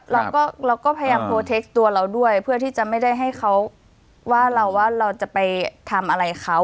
เราก็เราก็พยายามโทรเทคตัวเราด้วยเพื่อที่จะไม่ได้ให้เขาว่าเราว่าเราจะไปทำอะไรเขา